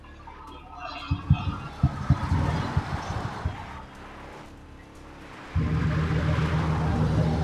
Esto fue descrito como "valiente", pero resultó ser correcto.